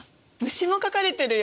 虫も描かれてるよ。